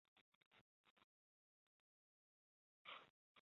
四川农村的道路和水塘旁常能见到石敢当。